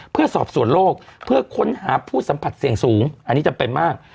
เพื่อสอบส่วนโลกเพื่อค้นหาผู้สัมผัสเสี่ยงสูงอันนี้จำเป็นมาก